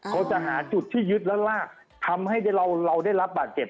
เขาจะหาจุดที่ยึดแล้วลากทำให้เราได้รับบาดเจ็บ